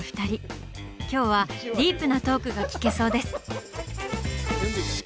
今日はディープなトークが聞けそうです！